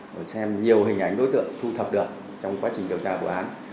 để xem nhiều hình ảnh đối tượng thu thập được trong quá trình điều tra vụ án